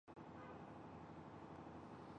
احمد خپلې خوټې تلي.